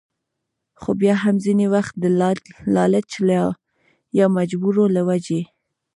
خو بيا هم ځينې وخت د لالچ يا مجبورو له وجې